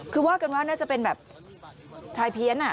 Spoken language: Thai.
คือว่ากันว่าน่าจะเป็นแบบชายเพี้ยน